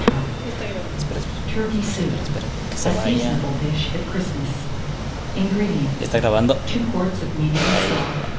TURKEY SOUP (a Seasonable Dish at Christmas). 188. INGREDIENTS. 2 quarts of medium stock, No.